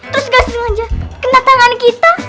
terus gak sengaja kena tangan kita